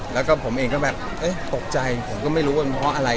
และผมเองตกใจไม่รู้ท่าน่าว่าอะไร